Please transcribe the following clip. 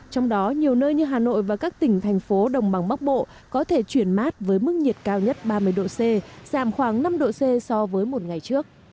trong đó nhiều nơi như hà nội và các tỉnh thành phố đồng bằng bắc bộ có thể chuyển mát với mức nhiệt cao nhất ba mươi độ c giảm khoảng năm độ c so với một ngày trước